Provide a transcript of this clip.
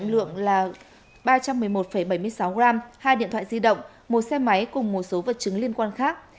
lượng là ba trăm một mươi một bảy mươi sáu g hai điện thoại di động một xe máy cùng một số vật chứng liên quan khác